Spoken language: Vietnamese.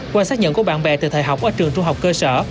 qua xác nhận của bạn bè từ thời học ở trường trung học cơ sở